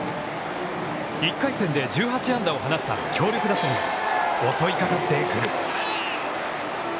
１回戦で１８安打を放った強力打線が襲いかかってくる。